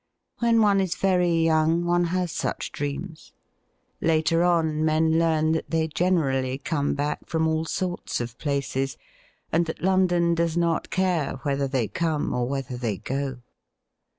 When one is very young one has such dreams. Later on, men learn that they generally come back from all sorts of places, and that London does not care whether they come or whether they go.